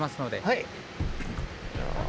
はい。